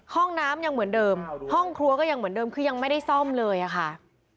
ห้องน้ำยังเหมือนเดิมห้องครัวก็ยังเหมือนเดิมคือยังไม่ได้ซ่อมเลยอะค่ะ